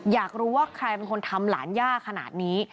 อยากรู้ว่าใครเป็นคนทำหลานย่าขนาดนี้